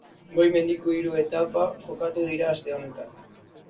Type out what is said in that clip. Goi mendiko hiru etapa jokatuko dira aste honetan.